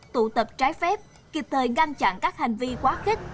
tụ tập trái phép kịp thời ngăn chặn các hành vi quá khích